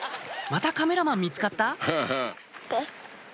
またカメラマン見つかった？